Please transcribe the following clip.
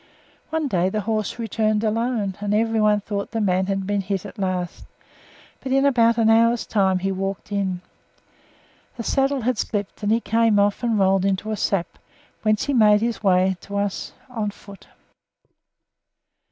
One day the horse returned alone, and everyone thought the man had been hit at last; but in about an hour's time he walked in. The saddle had slipped, and he came off and rolled into a sap, whence he made his way to us on foot.